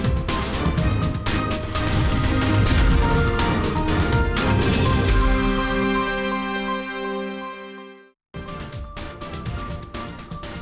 tidak ada yang menyuruh